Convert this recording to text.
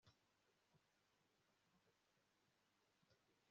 hari amahirwe make sinzashobora kugera mu nama